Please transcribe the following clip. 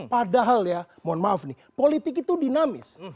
padahal ya mohon maaf nih politik itu dinamis